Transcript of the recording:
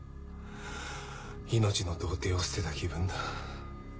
命の童貞を捨てた気分だ。